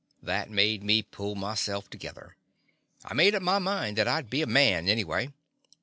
That made me pull myself to gether. I made up my mind that I 'd be a man, anyway.